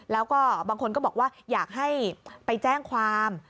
แล้วก็บางคนก็บอกว่าอยากให้ไปแจ้งความ